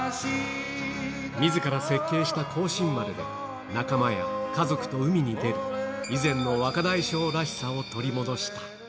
みずから設計した光進丸で、仲間や家族と海に出る、以前の若大将らしさを取り戻した。